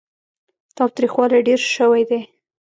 تاوتريخوالی ډېر شوی دی.